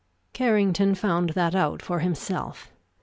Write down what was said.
Carrington found that out for himself.